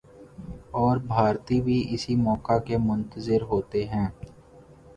اور بھارتی بھی اسی موقع کے منتظر ہوتے ہیں۔